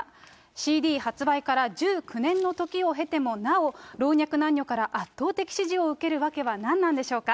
ＣＤ発売から１９年の時を経ても、なお老若男女から圧倒的支持を受ける訳は何なんでしょうか。